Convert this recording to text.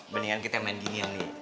mendingan kita main dingin nih